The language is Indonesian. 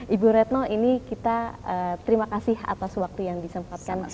ibu retno ini kita terima kasih atas waktu yang disempatkan